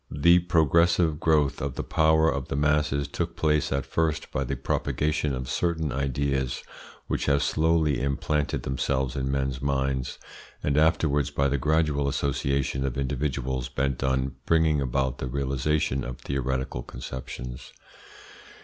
The progressive growth of the power of the masses took place at first by the propagation of certain ideas, which have slowly implanted themselves in men's minds, and afterwards by the gradual association of individuals bent on bringing about the realisation of theoretical conceptions.